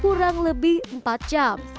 kurang lebih empat jam